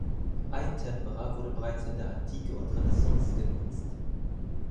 Eitempera wurde bereits in der Antike und Renaissance genutzt.